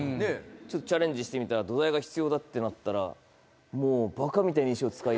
チャレンジしてみたら土台が必要だってなったらもう。